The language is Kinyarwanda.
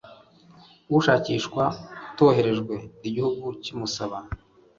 ushakishwa utohererejwe igihugu cyimusaba